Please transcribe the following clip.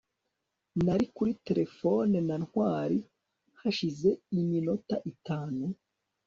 nari kuri terefone na ntwali hashize iminota itanu